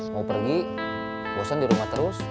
mau pergi bosan di rumah terus